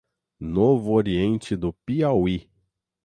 Novo Oriente do Piauí